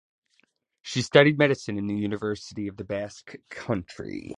She studied Medicine in the University of the Basque Country.